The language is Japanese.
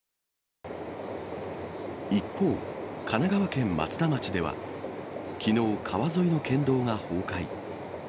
一方、神奈川県松田町では、きのう、川沿いの県道が崩壊。